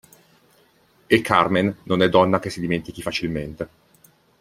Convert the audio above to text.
E Carmen non è donna che si dimentichi facilmente.